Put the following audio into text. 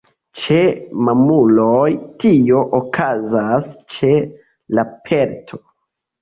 Ĉe mamuloj tio okazas ĉe la pelto.